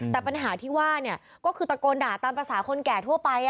แต่ปัญหาที่ว่าก็คือตะโกนด่าตามภาษาคนแก่ทั่วไป